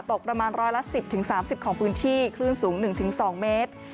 ประมาณร้อยละ๑๐๓๐ของพื้นที่คลื่นสูง๑๒เมตร